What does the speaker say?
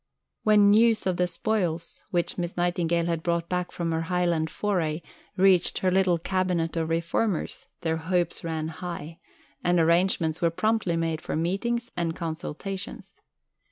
VI When news of the spoils, which Miss Nightingale had brought back from her Highland "foray," reached her little "Cabinet" of reformers, their hopes ran high, and arrangements were promptly made for meetings and consultations.